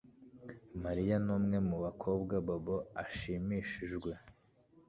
Mariya numwe mubakobwa Bobo ashimishijwe